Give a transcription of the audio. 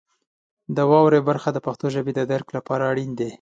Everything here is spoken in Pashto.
د واورئ برخه د پښتو ژبې د درک لپاره اړین دی.